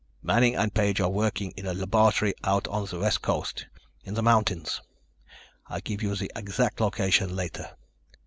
Manning and Page are working in a laboratory out on the West Coast, in the mountains. I'll give you the exact location later.